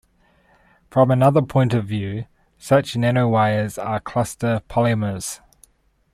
From another point of view, such nanowires are cluster polymers.